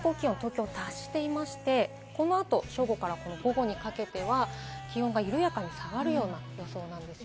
最高気温に東京は達していまして、このあと正午から午後にかけては気温が緩やかに下がるような予想なんです。